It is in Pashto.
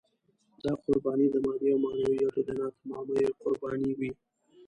دا قربانۍ د مادي او معنوي ګټو د ناتمامیو قربانۍ وې.